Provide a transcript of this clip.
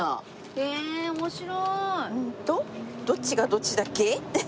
えっとどっちがどっちだっけ？